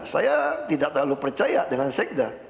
saya tidak terlalu percaya dengan sekda